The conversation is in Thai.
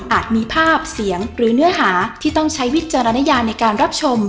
มีภาพเสียงหรือเนื้อหาที่ต้องใช้วิจารณญาในการรับชม